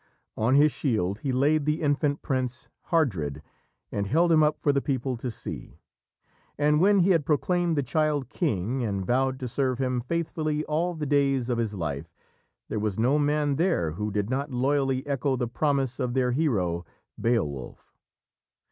On his shield he laid the infant prince, Hardred, and held him up for the people to see. And when he had proclaimed the child King and vowed to serve him faithfully all the days of his life, there was no man there who did not loyally echo the promise of their hero, Beowulf.